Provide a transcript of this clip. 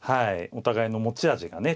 お互いの持ち味がね